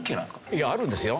いやあるんですよ。